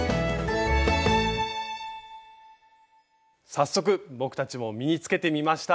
早速僕たちも身につけてみました。